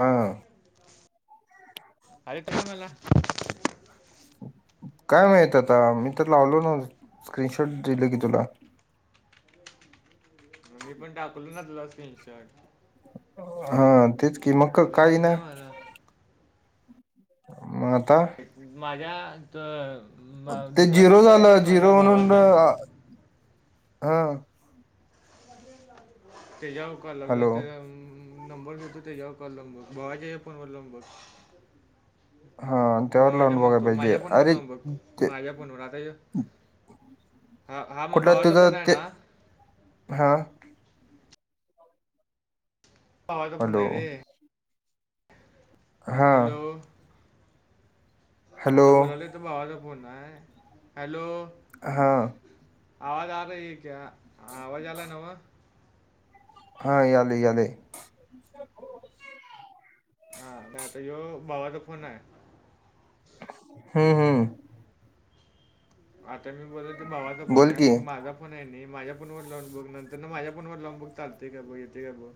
हां अरे ते मला. काय माहित आता. मी तर लावलो नव्हतो स्क्रीनशॉट दिल की तुला. मण मी पण टाकलो ना तुला स्क्रीन शॉट. हा तेच कि मग का आलंच नाही कायेईना ना मला मग आता माझ्यात ते झिरो झाल झिरो म्हणून भावाचा हां तेजा कॉल लागल हॅलो तेजावर नंबर देतो त्याच्यावर कॉल लाऊन बघ दोघांच्या या फोनवर लाऊन बघ. हा त्यावर भावाच्या लावून बघाय म्हणतो पाहिजे माझ्या फोनवर अरे लावून बघ ते माझ्या फोनवर आता हे हा हा मग भावाचा फोन आहे ना हां भावाचा फोन हॅलो आहे रे. हा हॅलो हॅलो आता बोलायलोय तो भावाचा फोन आहे. हॅलो हां आवाज आ रही है क्या आवाज यायलाय नव्ह. हा यायलय याले. हा का आता यो भावाचा फोन आहे. हम्म हम्म आता मी बोलते भावाचा पण फोन बोल आहे की मग माझा पण आहे नाही माझ्या फोन लाऊन बघ नंतर ना माझ्या फोनवर लाऊन बघ चालतय का बघ येते का बघ.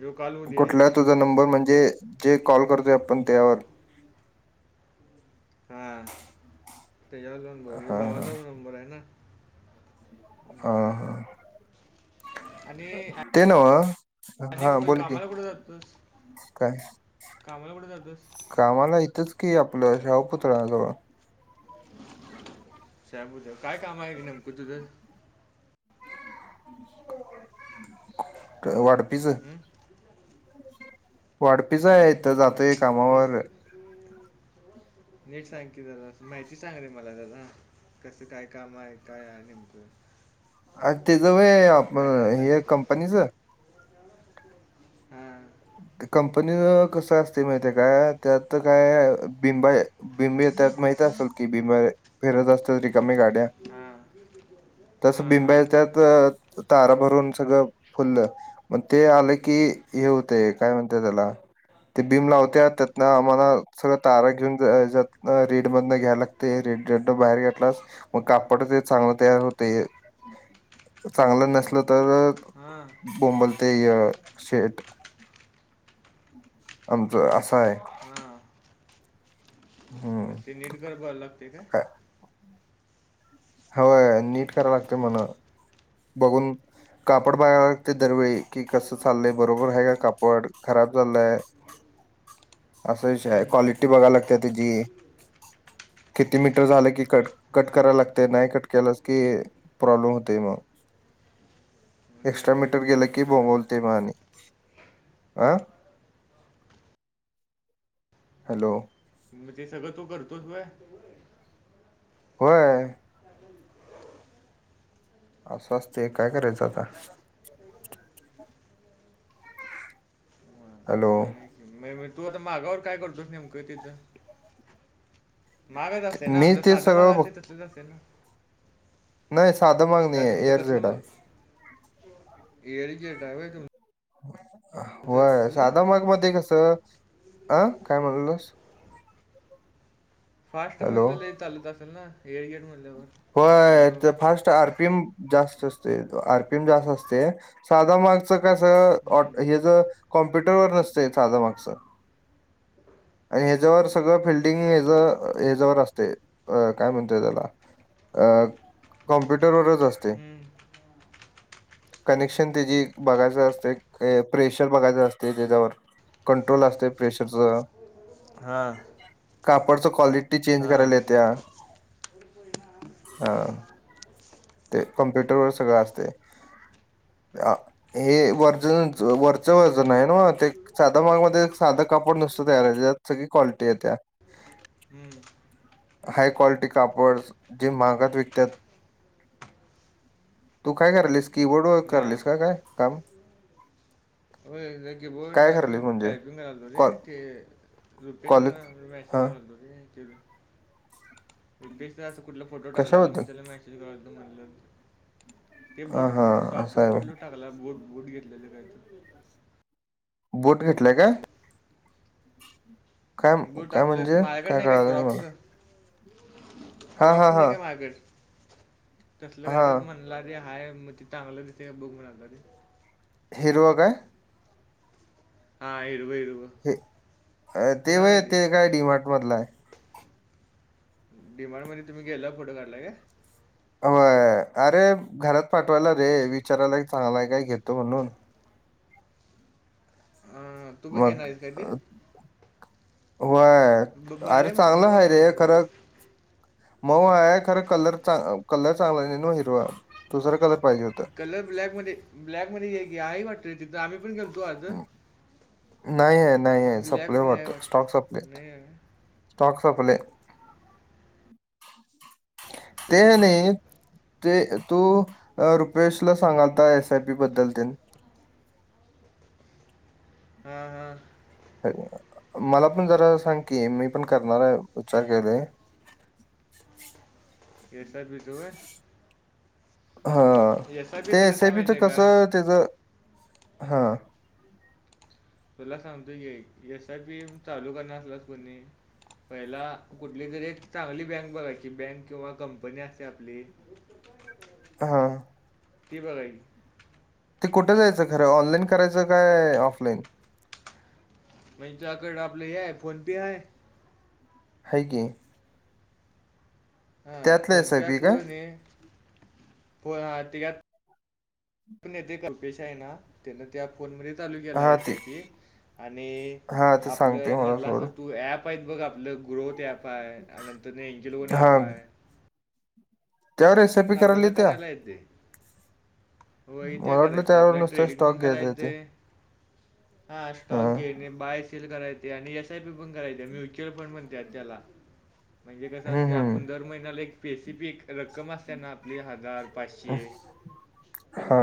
जो कॉल होऊ दे कुठला तुझा नंबर म्हणजे जे कॉल करतोय आपण त्यावर. हां त्याच्यावर जाऊन बघ हा भावाचाच नंबर आहे ना? हम्म. हां आणि ते नव्ह अनेक हा व [unintelligible] बोल की कामाला कुठे जातो तु? काय कामाला कुठ जातोस? कामाला इथच की आपल ह्या पुतळ्याजवळ. साहेबूत काय काम आहे नेमक तुझ? वाढपीच. हं? वाढपीच आहे इथ वाढपी- जातय म- कामावर. नीट नीट सांग की जरा, माहिती सांग रे मला दादा. कस काय काम आहे काय आहे नेमक. आ त्याच व्हय करायला हे लागतं कंपनीच? हां कंपनीच कस असते माहिते काय त्यात तर काय बिंब आहेत. बिंब येतात माहित असेल की बिंब पेरत असतात ते. हम् तस बिंब येतात हम् तारा भरून हम्म सगळं फुल्ल मग ते आल की हे होतय. काय म्हणतात त्याला? ते बीम लावत्यात त्यातन आम्हाला सगळ तारा घेऊन ज रेड मधन घ्यायला लाग ते रेड्डी रेडड बाहेर घेतलास मग कापड ते चांगल तयार होते. चांगल नसल तर हां बोंबलतय शेट. आमच अस हाय. हां हम्म मग ते नीट गर्भ लागते काय? होय नीट कराव लागते म्हण. बघून. कापड बघायला लागते दरवेळी की कस चाललय बरोबर आहे का कापड खराब झालेलय? [inaudible] असा विषय आहे, हम्म क्वालिटी बघाय लागते त्याची. किती मीटर झाल की कट कट हां करायला लागते नाही कट केला की. प्रॉब्लेम होतय मग. मग ते एक्स्ट्रा आणि सगळं मीटर गेल प्रॉब्लेम की करेल बोबलतय असं मग आणि अं हॅलो मग ते सगळ तु करतोस व्हय? होय अजून अस आसतय काय करायच आता? वा, हॅलो भारी आहे की. मग तू आता माघावर काय करतोस नेमक तिथ? मागच असतय ना मी आपल ते साध सगळं मगा बघ असे तसच असत ना. नाही साध महाग काय नाहीये एअर तुमचं जेट कसलं आहे. एअर जड्रावर आहे व्हय तु? होय साधा माग मध्ये कस, अं काय म्हणालास? फास्ट हॅलो म्हणल लय चालत असेल ना एर गेड म्हणल्यावर. होय हॅलो तर फास्ट आर पी एम जास्त असते आर पी एम जास्त असते. साधा मार्कसच कस हम्म हे ज कॉम्प्युटरवर नसत साधा मार्क्सच. आणि ह्याच्यावर सगळ फिल्डिंग हच ह्याच्यावर असते अ काय म्हणतय त्याला? अ कॉम्प्युटर वरच असते. हम्म कनेक्शन त्याची बघायच असतेय प्रेशर बघायच असते त्याच्यावर. कंट्रोल असतय प्रेशरचं. हा. कापडच क्वालिटी चेंज करायला येत्या. [unintelligible] हा, ते कम्प्युटर वर सगळं असतय. आ, हे वर्जन, हां वरच वर्जन नाही नव्ह ते साध्या मागामध्ये साधं कापड नुसत तयार हाय, यात सगळी क्वालिटी येत्या. हम्म. हाय क्वालिटी कापड जे महागात विकत्यात तू काय करायलीस? कीबोर्ड वर करालीस कि काय काम? व्हयं जरा किबोर्ड काय अस करायलीस म्हणजे टाइपिंग करलतो रे. कॉ ते रुपेशला कॉलेज जरा मेसेज हा करालतो रे. तेज रुपेशच असं कुठल फोटो टाकल्याल, म कशाबद्दल त्याला मेसेज करालतो म्हटलं. ते हा बुट हा शॉक्स असं तर आहे कुठलं टाकला. बूट-बूट घेतलेलं काय तर. बोट घेतलाय काय? हां काय बूट काय आपलं म्हणजे माझ्याकड काय नाही का कळालं क्रॉक्स. मला हा हा क्रॉक्स नाही हा का माझ्याकड, तसल काय हा तर म्हणला ते हाय मग ति चांगलं दिसतय काय बघ म्हणालंत आधी. हिरवा काय? हा, हिरवं हिरवं. ते कुणाला व्हयं आहे ते काय डिमार्ट मधल हाय. डी मार्ट मध्ये तुम्ही गेल्यावर फोटो काढलाय काय? व्हयं, अरे घरात पाठवायला रे विचारायला हे चांगल हाय काय घेतो म्हणून. [unintelligible] मग, आहेस काय ते व्हय. ब- भारी अरे आहे म्हणे चांगलं मऊ आहे हाय रे म्हणाला खरं मऊ हाय खरं कलर चांग, कलर चांगला नाही न हिरव दुसर कलर पाहिजे हुतं. कलर ब्लॅकमध्ये, ब्लॅकमध्ये हे आहे वाटत तिथं आम्ही पण गेलतो आज हम्म, नाही आहे, नाही आहे सपलय ब्लॅकमध्ये आहे वाटतं, स्टॉक सपलय. नाही आहे स्टॉक्स सपलाय ते कळतं रे नाही ते तू रुपवेशला सांगालता एस आय पी बद्दल तेन हा, हा. मला पण जरा सांग की, मी पण करणार आहे विचार केलय. एस आय पी च व्हय? हा, एस आय ते पीचं कसं आहे एसआयपीच माहिती आहे का कसं त्येज, हा. तुला सांगतोय कि आइक, एस आय पी चालू करणार असलास कणी पहिला कुठली तरी एक चांगली बँक बघायची, बँक किंवा कंपनी असतीया आपली. हा. ती बघायची ते कुठं जायचं खरं, ऑनलाईन करायचं काय ऑफलाईन? म्हणजे त्याकड आपलं हे हाय, फोन पे हाय? हाय की. हा त्यातलं फोन एस आय पे पी काय असल कणी, फोन ते तेज्यात. नेते कल्पेश आहे ना, त्येन त्या फोन मध्ये चालू केलाय हा एस ते आय पी. आणि हा ते सांगते आपलं मला म्हणलं सोड असेल तू ऍप पैप कापल ग्रोथ ऍप आहे आणि नंतरन यांची लोन हा ऍप आहे. त्यावर एस आय पण पी आपल्याला त्या करायला येते. हो येत्या मला वाटलं करायच त्यावर आपल्या नुसतं ट्रेडिंग स्टॉक पण घ्यायचा आहे ते करायचंय. हा स्टॉक घेणे बाय सेल करायचे आणि एस आय पी पण करायचे म्युच्युअल फंड म्हणत्यात त्याला म्हणजे कसं हम्म असते आपण हम्म दर महिन्याला एक स्पेसिफिक रक्कम असते ना आपली हजार पाचशे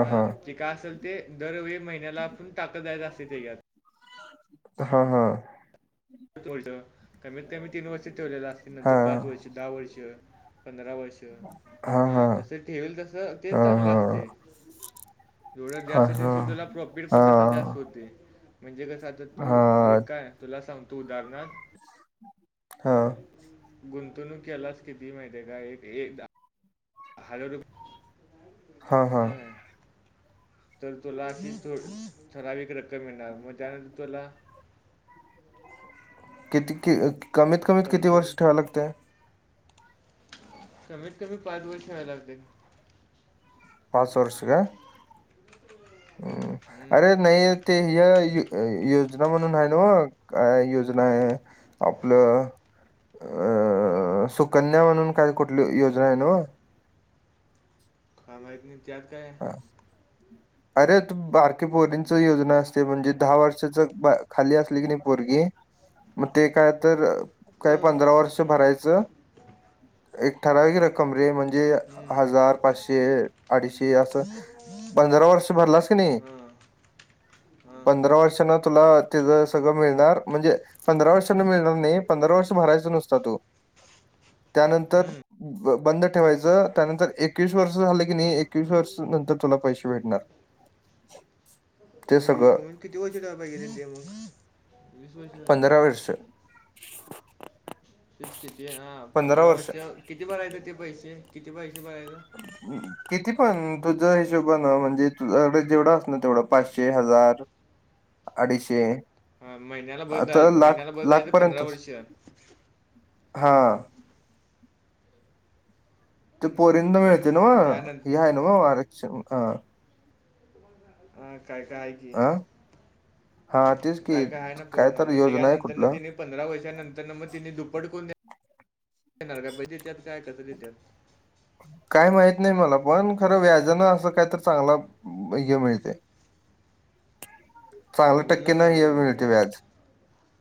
हा जे काय असेल ते दरवेळी महिन्याला आपण टाकत जायच असते त्याच्यात हा हा कमीत कमी तीन वर्ष ठेवलेलं असते हा नंतर पाच वर्ष दहा वर्ष पंधरा वर्ष हा जस ठेवेल तसं ते चांगलं हा असते. एवढं हा जास्त हा ठेवशील तुला प्रॉफिट पण तसा हा जास्त होते. म्हणजे कसं आता तू ऐक काय तुला सांगतो उदाहरण हा गुंतवणूक यालाच कितीये माहिती ये काय एक [unintelligible] हा हा तर तुला ही ठराविक रक्कम मिळणार म त्यानंतर तुला किती कि कमीत कमीत किती कंपनी वर्ष ठेवावं लागते. कमीत कमी पाच वर्ष व्हायला लागते. पाच वर्ष का हम्म अरे नाही. ते ह योजना म्हणून आहे न व काय योजना आहे. आपलं अं सुकन्या म्हणून काय कुठली योजना आहे ना व का माहीत नाही त्यात काय हा अरे बारकी पोरींच योजना असते म्हणजे दहा वर्षाच खाली असली की नाही पोरगी मग ते काय तर काही पंधरा वर्ष भरायचं एक ठराविक रक्क म म्हणजे हम्म हजार पाचशे अडीचशे अस पंधरा वर्ष भरलास की नाही हा [inaudible] पंधरा वर्षांना तुला तिच सगळं मिळणार म्हणजे पंधरा वर्षांन मिळणार नाही पंधरा वर्ष भरायचा नुसता तो [inaudible] त्यानंतर हम्म बंद ठेवायचं त्यानंतर एकवीस वर्ष झालं की नाही एकवीस वर्ष नंतर तुला पैसे भेटणार. ते सगळं म्हणजे किती वर्ष ते मग वीस वर्ष झाली पंधरा वर्ष फीज किती हा पंधरा वर्ष किती भरायचं ते पैसे किती पैसे भरायच. [unintelligible] किती पण तुझ हिशोबन म्हणजे तुझ्याकड जेवढं असल ना तेवढं पाचशे हजार अडीचशे हा महिन्याला भरत आहे आता लाख महिन्याला भरत लाख जायचं पंधरा वर्ष हां ते पोरिंना हम्म, मिळते ना बरं. म मग हे त्यानंतर आहे ना व आरक्षण हा काय काय एक हा हा तेच की काय काय आहे ना पूर्ण तर मग योजना आहे त्याच्यानंतर कुठलं तेनी पंधरा वर्षानंतर मग तिने दुप्पट करून देणार का देत्या का? [unintelligible] काय माहित नाही मला पण खरं व्याजानं असं काय तर चांगला हे मिळते. [inaudible] चांगले मोबाईलला टक्के न चांगला हे मिळते काय व्याज.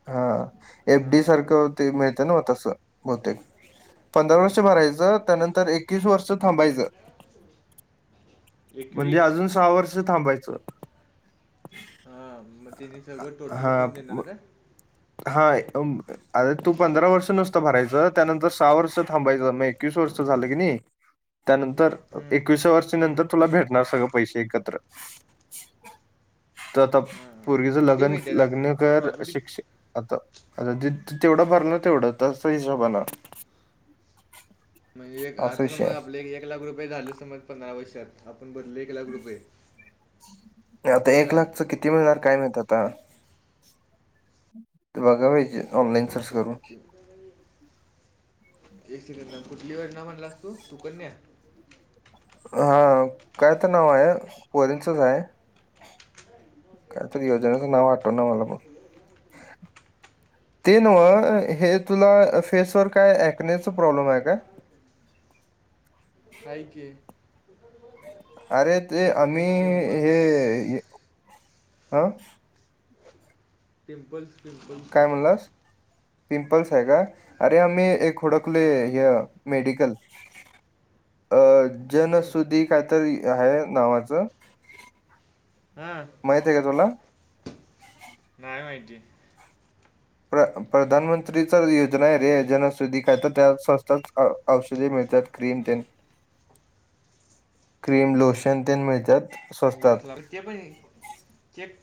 हा एफ डी हां हां सारखं ते मिळते ना तसं बहुतेक पंधरा वर्ष भरायचं त्यानंतर एकवीस वर्ष थांबायचं म्हणजे एकवीस अजून सहा वर्ष थांबायचं. हा मग तिने सगळं टोटल हा करून देणार म- का? हा. अरे तू पंधरा वर्ष नुसतं भरायचं त्यानंतर सहा वर्ष थांबायचं म एकवीस वर्ष झालं की नाही. त्यानंतर हं, एकविसावर्षी हं. नंतर तुला भेटणार सगळं पैसे एकत्र. तर आता हां. पोरगीचं किती लग्न मिळतात असं लग्न कर प्रॉफिट? शिक्ष आता आता तेवढं भरणार तेवढं तसं हिशोबा न. म्हणजे एक असा आता विषय समज आहे आपले एक लाख रुपये झाले समज पंधरा वर्षात आपण भरले आता हां एक काय? लाखच किती मिळणार काय माहीत आता? ते बघा पाहिजे ऑनलाईन सर्च करून. किती एक सेकंद कुठली योजना म्हणलास तू सुकन्या? हा काय तर नाव आहे पोरींचच आहे. काय तरी योजनेचं नाव आठवंना मला पण. ते नव हे तुला फेसवर काय अक्नेचं प्रॉब्लेम आहे का? आहे की. अरे ते एकने आम्ही पिंपल्स हे, अ? पिंपल्स पिंपल्स काय म्हणलास? पिंपल्स आहे का? अरे आम्ही एक हुडकलो हां. ह मेडिकल. अ हं. जनसुदी काय तरी आहे नावाचं. हा. माहित आहे का तुला? नाय माहिती. प्र, प्रधानमंत्रीच योजना आहे रे जनसुधी काय तर, त्या संस्था औषधे मिळतात, क्रीम तेन. [inaudible] क्रीम, लोशन, तेन मिळतात. स्वस्तात ते पण चेक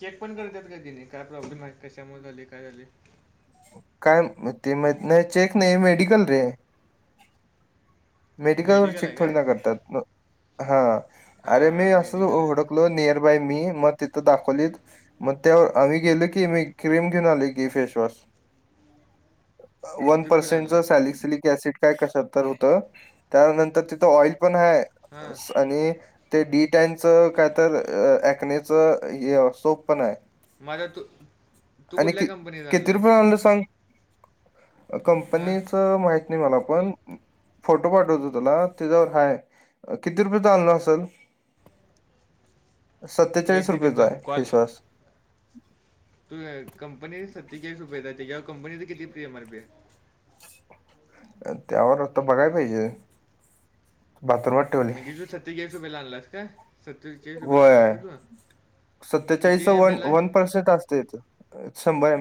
चेक पण करतात का तेनी? काय प्रॉब्लेम आहे? कशामुळे झाले? काय झाले? काय ते माहित नाही चेक नाही, मेडिकल रे. मेडिकलवर मेडिकल आहे चेक थोडी काय? ना करतात, हा अरे मी हां, असं मेडिकल आहे ना. हुडकलो निअर बाय मी मग तिथं दाखवलेत, मग त्या आम्ही गेलं की मी क्रीम घेऊन आलोय की फेसवॉश. वन किती रुपयाला आणला पर्सेंटचं सॅलिक सिलिक असिड काय कशात तर होतं. त्यानंतर तिथं ऑईल पण आहे हा असं आणि ते डी टॅनच काय तर अक्नेचं हे सोप पण आहे. माझा तू तू आणि कुठल्या कि कंपनीचा किती रुपये आणलायस आणल सांग हा कंपनीच माहित नाही, मला पण फोटो पाठवतो तुला त्याच्यावर हाय किती रुपयेचा आणला असल [unintelligible] एक सत्तेचाळीस सेकंद रुपयेचा थांब आहे फेसवॉश तूझ कंपनी सत्तेचाळीस रुपयाचा आहे त्याच्यावर कंपनीच किती एम आर पी आहे. त्यावर आता बघाय पाहिजे मला तर वाटतं म्हणजे तू सत्तेचाळीस रुपयेला आणलास का सत्तेचाळीस रुपयाला आणलास होय का तू किती सत्तेचाळीसच एम वन एल आहे वन पर्सेंट असते याच शंभर एम एम